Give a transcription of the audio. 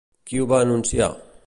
Qui ho va anunciar?